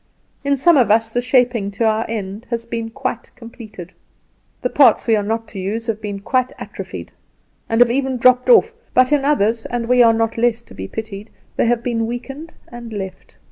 In some of us the shaping of our end has been quite completed. The parts we are not to use have been quite atrophied, and have even dropped off; but in others, and we are not less to be pitied, they have been weakened and left.